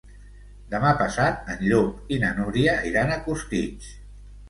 Demà passat en Llop i na Núria iran a Costitx.